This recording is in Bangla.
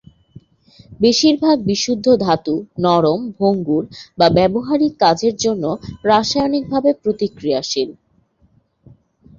বেশিরভাগ বিশুদ্ধ ধাতু নরম, ভঙ্গুর বা ব্যবহারিক কাজের জন্য রাসায়নিকভাবে প্রতিক্রিয়াশীল।